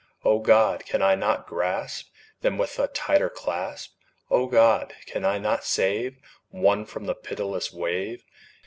O God! can I not grasp Them with a tighter clasp? O God! can I not save One from the pitiless wave?